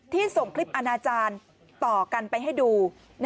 ส่งคลิปอาณาจารย์ต่อกันไปให้ดู